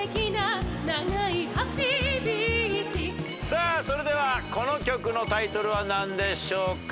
さあそれではこの曲のタイトルはなんでしょうか？